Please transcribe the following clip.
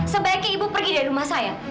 sebaiknya ibu pergi dari rumah saya